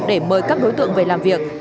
để mời các đối tượng về làm việc